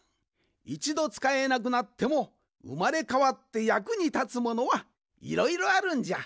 いちどつかえなくなってもうまれかわってやくにたつものはいろいろあるんじゃ。